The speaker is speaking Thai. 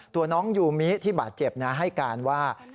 ตัวน้องยูมิที่บาดเจ็บนะให้การว่า